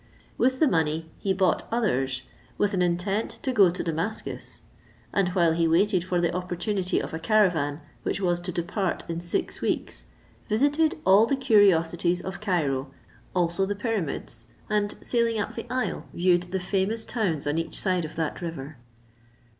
With the money he bought others, with an intent to go to Damascus: and while he waited for the opportunity of a caravan, which was to depart in six weeks, visited all the curiosities of Cairo, as also the pyramids, and sailing up the Nile, viewed the famous towns on each side of that river.